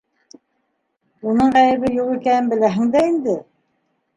Уның ғәйебе юҡ икәнен беләһең дә инде.